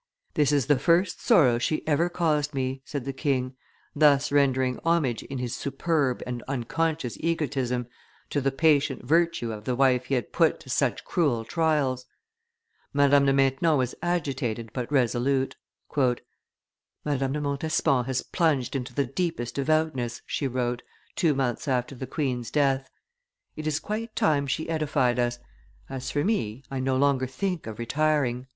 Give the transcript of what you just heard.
"This is the first sorrow she ever caused me," said the king, thus rendering homage in his superb and unconscious egotism, to the patient virtue of the wife he had put to such cruel trials. Madame de Maintenon was agitated but resolute. "Madame de Montespan has plunged into the deepest devoutness," she wrote, two months after the queen's death; "it is quite time she edified us; as for me, I no longer think of retiring."